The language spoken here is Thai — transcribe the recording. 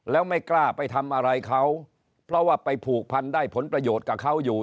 แล้วไม่กล้าไปทำอะไรเขาเพราะว่าไปผูกพันได้ผลประโยชน์กับเขาอยู่